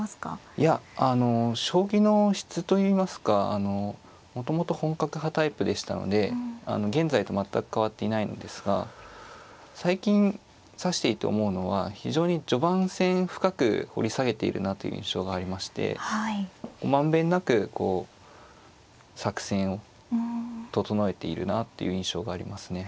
いやあの将棋の質といいますかあのもともと本格派タイプでしたので現在と全く変わっていないんですが最近指していて思うのは非常に序盤戦深く掘り下げているなという印象がありましてまんべんなくこう作戦を整えているなっていう印象がありますね。